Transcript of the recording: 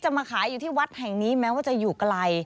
มาขายอยู่ที่วัดแห่งนี้แม้ว่าจะอยู่ไกล